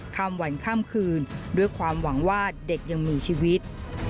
วันข้ามคืนด้วยความหวังว่าเด็กยังมีชีวิต